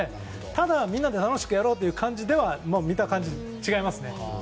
ただ、みんなで楽しくやろうという感じではなく見た感じ、違います。